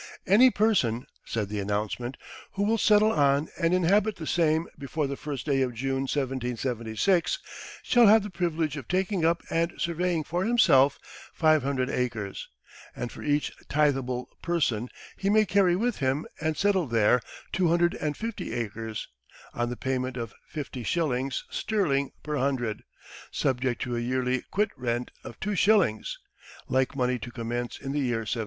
"Any person," said the announcement, "who will settle on and inhabit the same before the first day of June, 1776, shall have the privilege of taking up and surveying for himself five hundred acres, and for each tithable person he may carry with him and settle there, two hundred and fifty acres, on the payment of fifty shillings sterling per hundred, subject to a yearly quit rent of two shillings, like money, to commence in the year 1780."